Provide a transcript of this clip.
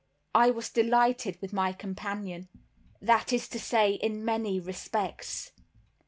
I was delighted with my companion; that is to say, in many respects.